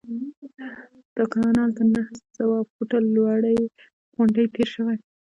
دا کانال د نهه سوه فوټه لوړې غونډۍ تیر شوی.